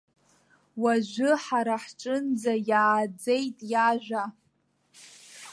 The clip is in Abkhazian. Уажәы ҳара ҳҿынӡа иааӡеит иажәа.